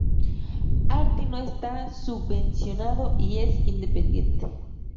Arti no está subvencionado y es independiente.